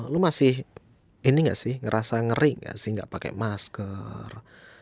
lu masih ini gak sih ngerasa ngeri gak sih nggak pakai masker